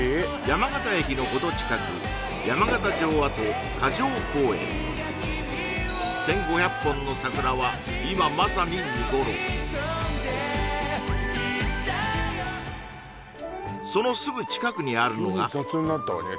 山形駅の程近く山形城跡１５００本の桜は今まさに見頃そのすぐ近くにあるのが急に雑になったわね